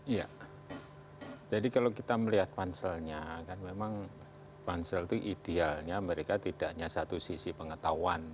iya jadi kalau kita melihat panselnya kan memang pansel itu idealnya mereka tidak hanya satu sisi pengetahuan